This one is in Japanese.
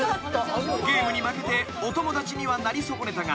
［ゲームに負けてお友達にはなり損ねたが］